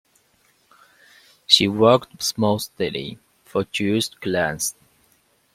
She worked mostly for Jewish clients.